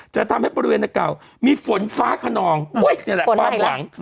จะทำให้บริเวณนักเก่ามีฝนฟ้าขนองนี่แหละความหวัง